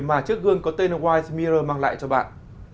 mà chiếc gương có tên white mirror mang lại cho bạn